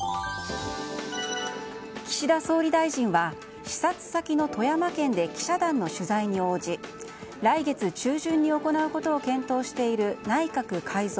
岸田総理大臣は視察先の富山県で記者団の取材に応じ来月中旬に行うことを検討している内閣改造